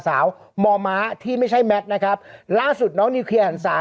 สาวมอม้าที่ไม่ใช่แมทนะครับล่าสุดน้องนิวเคลียร์หันศา